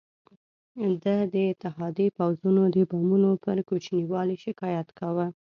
ده د اتحادي پوځونو د بمونو پر کوچني والي شکایت کاوه.